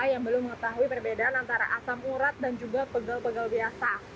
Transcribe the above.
yang belum mengetahui perbedaan antara asam urat dan juga pegal pegal biasa